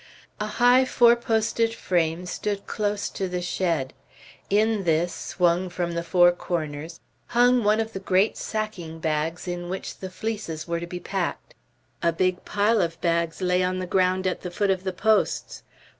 A high four posted frame stood close to the shed; in this, swung from the four corners, hung one of the great sacking bags in which the fleeces were to be packed. A big pile of bags lay on the ground at the foot of the posts.